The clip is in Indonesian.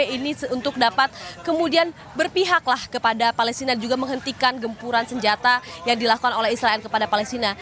ini untuk dapat kemudian berpihaklah kepada palestina dan juga menghentikan gempuran senjata yang dilakukan oleh israel kepada palestina